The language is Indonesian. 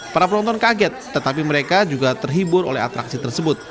para penonton kaget tetapi mereka juga terhibur oleh atraksi tersebut